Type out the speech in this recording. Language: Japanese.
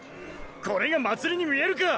これが祭りに見えるか！